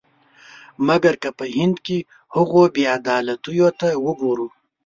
مګر که په هند کې هغو بې عدالتیو ته وګورو.